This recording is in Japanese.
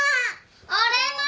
俺も！